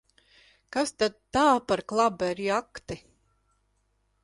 Kas tad tā par klaberjakti!